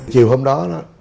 chiều hôm đó